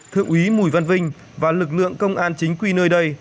thượng úy bùi văn vinh và lực lượng công an chính quy nơi đây